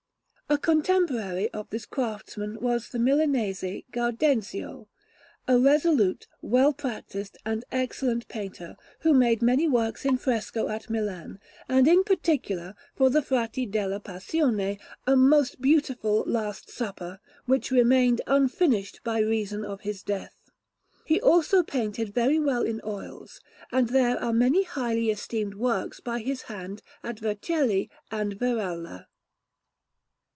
A contemporary of this craftsman was the Milanese Gaudenzio, a resolute, well practised, and excellent painter, who made many works in fresco at Milan; and in particular, for the Frati della Passione, a most beautiful Last Supper, which remained unfinished by reason of his death. He also painted very well in oils, and there are many highly esteemed works by his hand at Vercelli and Veralla.